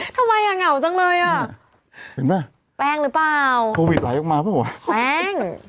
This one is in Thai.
เขาใส่ไขม้ยง่าวจังเลยอ่ะแป้งหรือเปล่าโควิดมาไว้ไหมวะแป้ง